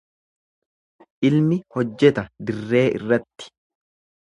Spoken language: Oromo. Ilmi hojjeta dirree irratti.